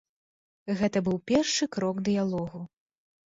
Гэта быў першы крок дыялогу.